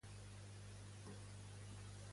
Quina és la traducció de Muma Pădurii?